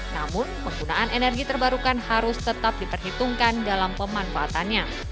namun penggunaan energi terbarukan harus tetap diperhitungkan dalam pemanfaatannya